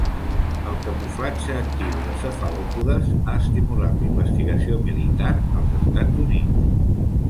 El camuflatge actiu de cefalòpodes ha estimulat la investigació militar als Estats Units.